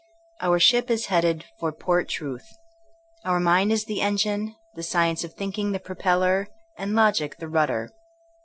... Our ship is headed for the port Truth. Our mind is the engine, the science of thinking the propeller, and logic the rudder.